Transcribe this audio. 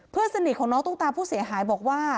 เพื่อนสนิทของน้องตุ๊กตาผู้เสียหายบอกว่า